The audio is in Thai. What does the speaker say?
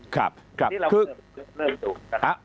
ขาย๒๓บาท๓๐บาท